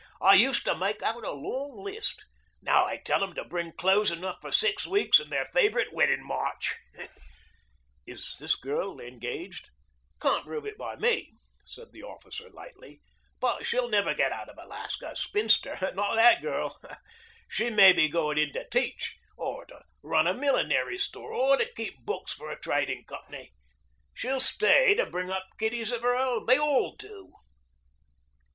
I used to make out a long list. Now I tell them to bring clothes enough for six weeks and their favorite wedding march." "Is this girl engaged?" "Can't prove it by me," said the officer lightly. "But she'll never get out of Alaska a spinster not that girl. She may be going in to teach, or to run a millinery store, or to keep books for a trading company. She'll stay to bring up kiddies of her own. They all do."